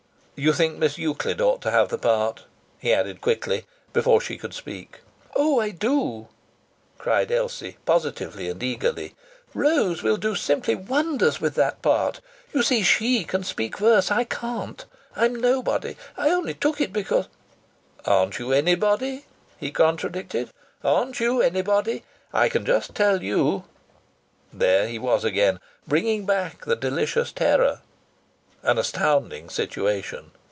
"You think Miss Euclid ought to have the part," he added quickly, before she could speak. "Oh! I do!" cried Elsie, positively and eagerly. "Rose will do simply wonders with that part. You see she can speak verse. I can't. I'm nobody. I only took it because " "Aren't you anybody?" he contradicted. "Aren't you anybody? I can just tell you " There he was again, bringing back the delicious terror! An astounding situation!